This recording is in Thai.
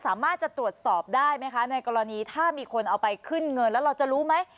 สามารถจะตรวจสอบได้ไหมคะในกรณีถ้ามีคนเอาไปขึ้นเงินแล้วเราจะรู้ไหม